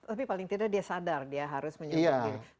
tapi paling tidak dia sadar dia harus menyentuh diri